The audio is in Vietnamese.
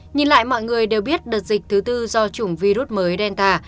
nhìn lại mọi người đều biết đợt dịch thứ tư do chủng virus mới delta